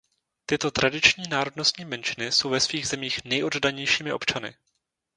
Tyto tradiční národnostní menšiny jsou ve svých zemích nejoddanějšími občany.